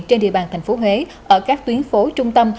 trên địa bàn thành phố huế ở các tuyến phố trung tâm